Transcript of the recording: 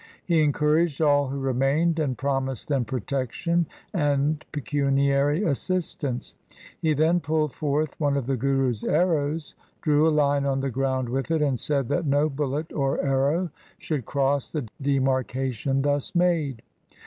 He encouraged all who remained, and promised them protection and pecuniary assistance. He then pulled forth one of the Guru's arrows, drew a line on the ground with it, and said that no bullet or arrow should cross the demarcation thus made.